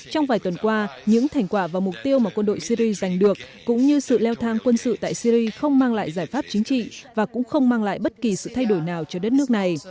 trong vài tuần qua những thành quả và mục tiêu mà quân đội syri giành được cũng như sự leo thang quân sự tại syri không mang lại giải pháp chính trị và cũng không mang lại bất kỳ sự thay đổi nào cho đất nước này